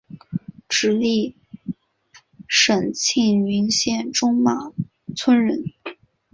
直隶省庆云县中马村人。